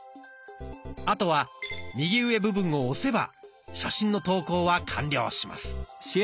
あとは右上部分を押せば写真の投稿は完了します。